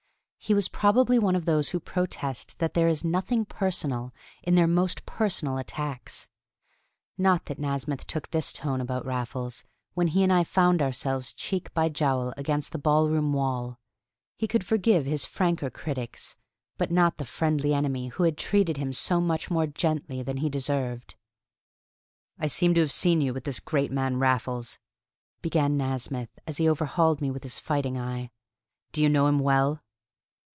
He was probably one of those who protest that there is "nothing personal" in their most personal attacks. Not that Nasmyth took this tone about Raffles when he and I found ourselves cheek by jowl against the ballroom wall; he could forgive his franker critics, but not the friendly enemy who had treated him so much more gently than he deserved. "I seem to have seen you with this great man Raffles," began Nasmyth, as he overhauled me with his fighting eye. "Do you know him well?"